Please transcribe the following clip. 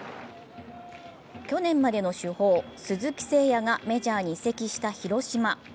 去年までの主砲・鈴木誠也がメジャーに移籍した広島。